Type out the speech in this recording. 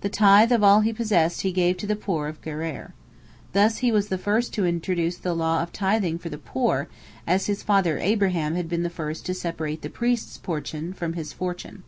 The tithe of all he possessed he gave to the poor of Gerar. Thus he was the first to introduce the law of tithing for the poor, as his father Abraham had been the first to separate the priests' portion from his fortune.